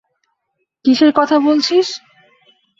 কিসের কথা বলছিস?